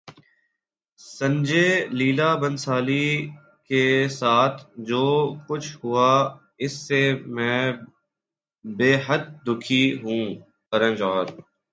سنجے لیلا بھنسالی کے ساتھ جو کچھ ہوا اس سے میں بیحد دکھی ہوں: کرن جوہر